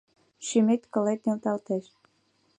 Шӱмет-кылет нӧлталтеш.